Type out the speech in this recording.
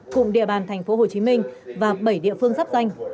cụm địa bàn tp hcm và bảy địa phương sắp danh